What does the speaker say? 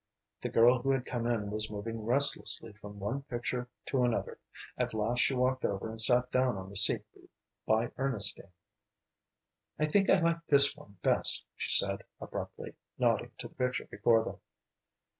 The girl who had come in was moving restlessly from one picture to another; at last she walked over and sat down on the seat by Ernestine. "I think I like this one best," she said, abruptly, nodding to the picture before them.